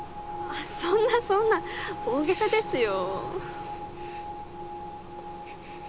そんなそんな大げさですよ。